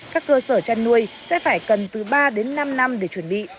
các cơ sở chăn nuôi sẽ phải cần từ ba đến năm năm để chuẩn bị